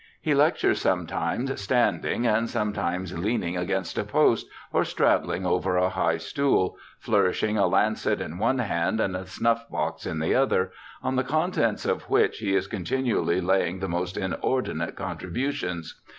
* He lectures sometimes standing, and sometimes leaning against a post, or straddling over a high stool, flourishing a lancet in one hand and a snuff box in the other, on the contents of which he is continually laying the most inordinate contributions.